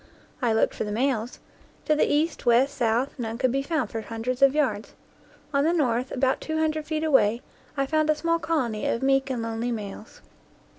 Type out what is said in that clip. I looked for the males; to the east, west, south, none could be found for hundreds of yards. On the north, about two hundred feet away, I found a small colony of meek and lonely males.